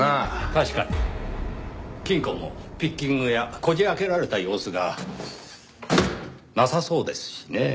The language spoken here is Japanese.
確かに金庫もピッキングやこじ開けられた様子がなさそうですしねぇ。